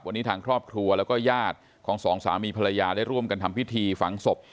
วันนี้ทางครอบครัวแล้วก็ญาติของสองสามีภรรยาได้ร่วมกันทำพิธีฝังศพ